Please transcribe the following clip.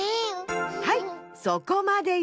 はいそこまでよ。